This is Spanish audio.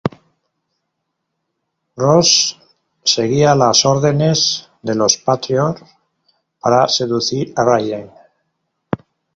Rose seguía las órdenes de Los Patriots para seducir a Raiden.